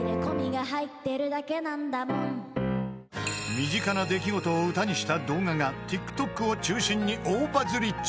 ［身近な出来事を歌にした動画がＴｉｋＴｏｋを中心に大バズり中］